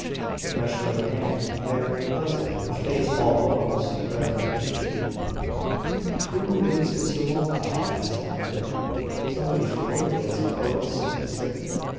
The pressure of her hand by her husband effaced all woes, present and future. "Who is Mr Walcot?" asked Margaret. "Somebody from Blickley, I suppose," said Hester.